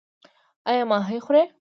ایا ماهي خورئ؟